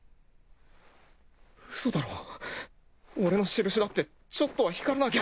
ウソだろ俺のしるしだってちょっとは光らなきゃ。